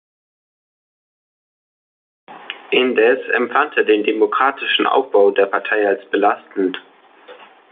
Indes empfand er den demokratischen Aufbau der Partei als belastend.